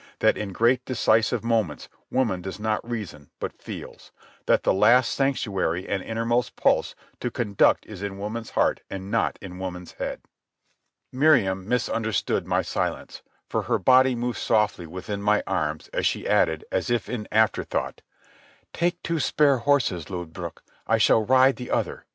. that in great decisive moments woman does not reason but feels; that the last sanctuary and innermost pulse to conduct is in woman's heart and not in woman's head. Miriam misunderstood my silence, for her body moved softly within my arms as she added, as if in afterthought: "Take two spare horses, Lodbrog. I shall ride the other